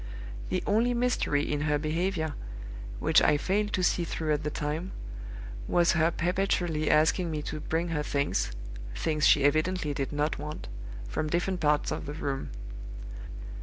The only mystery in her behavior, which I failed to see through at the time, was her perpetually asking me to bring her things (things she evidently did not want) from different parts of the room.